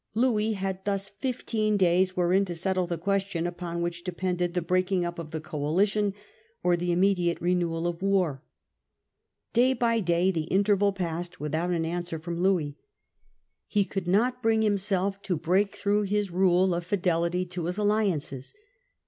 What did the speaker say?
Louis had thus fifteen days wherein to settle the question upon which depended the breaking up of the coalition or the immediate renewal of war. Day by day the interval passed without an answer from Louis. He could not bring himself to break through his rule of fidelity to his alliances.